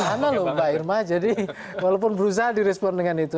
mana loh mbak irma jadi walaupun berusaha direspon dengan itu